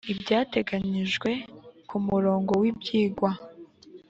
ibyateganijwe ku umurongo w ibyigwa